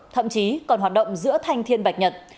thậm chí còn hoạt động giữa thanh thiên bạch nhật